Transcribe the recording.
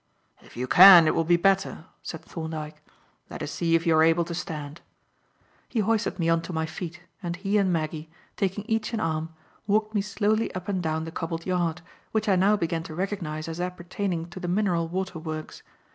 "If you can, it will be better," said Thorndyke. "Let us see if you are able to stand." He hoisted me on to my feet and he and Maggie, taking each an arm, walked me slowly up and down the cobbled yard, which I now began to recognize as appertaining to the Mineral Water Works.